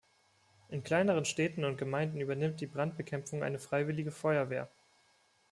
In kleineren Städten und Gemeinden übernimmt die Brandbekämpfung eine Freiwillige Feuerwehr.